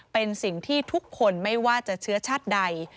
เป็นสิ่งที่ทุกคนไม่ว่าจะเชื้อชาติใด